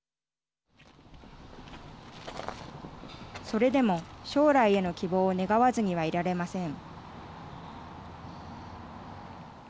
それでも、将来への希望を願わずにはいられません。